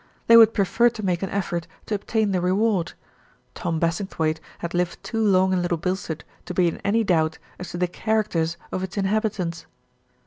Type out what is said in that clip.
They would prefer to make an effort to obtain the reward Tom Bassingthwaighte had lived too long in Little Bilstead to be in any doubt as to the characters of its inhabitants.